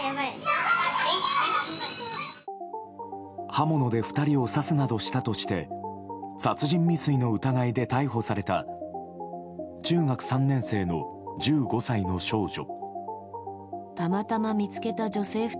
刃物で２人を刺すなどして殺人未遂の疑いで逮捕された中学３年生の１５歳の少女。